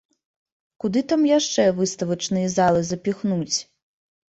Куды там яшчэ выставачныя залы запіхнуць?